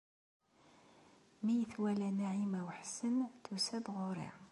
Mi iyi-twala Naɛima u Ḥsen, tusa-d ɣer-i.